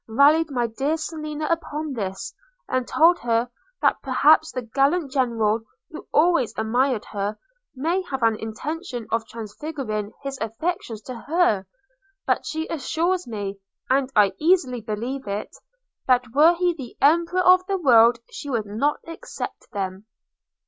rallied my dear Selina upon this; and told her, that perhaps the gallant General, who always admired her, may have an intention of transferring his affections to her; but she assures me, and I easily believe it, that were he emperor of the world she would not accept them.